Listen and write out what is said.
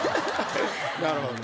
なるほど。